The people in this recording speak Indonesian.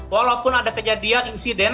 walaupun ada kejadian insiden